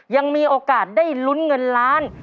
ยังมีโอกาสได้ลุ้นเงินล้าน